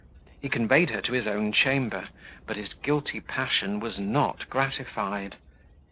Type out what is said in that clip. He conveyed her to his own chamber; but his guilty passion was not gratified.